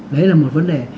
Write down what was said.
đấy là một vấn đề